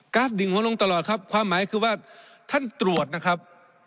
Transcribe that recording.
ดิ่งหัวลงตลอดครับความหมายคือว่าท่านตรวจนะครับ